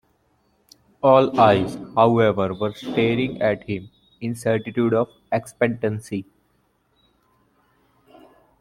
All eyes, however, were staring at him in certitude of expectancy.